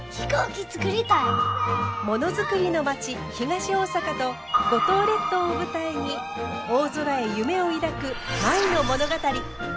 ものづくりの町東大阪と五島列島を舞台に大空へ夢を抱く舞の物語。